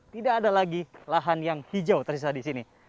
tidak ada lagi lahan yang hijau tersisa di sini